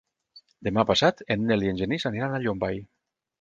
Demà passat en Nel i en Genís aniran a Llombai.